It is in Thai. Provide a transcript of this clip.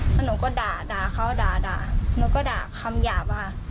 แล้วหนูก็ด่าด่าเขาด่าหนูก็ด่าคำหยาบว่า